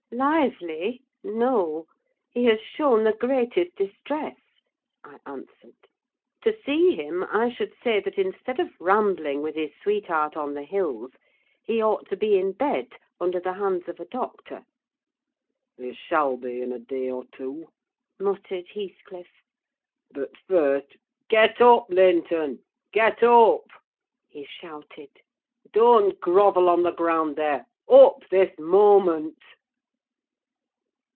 "Lively? no—he has shown the greatest distress," I answered. "To see him, I should say, that instead of rambling with his sweetheart on the hills, he ought to be in bed, under the hands of a doctor." "He shall be, in a day or two," muttered Heathcliff. "But first—get up, Linton! Get up!" he shouted. "Don't grovel on the ground there: up, this moment!"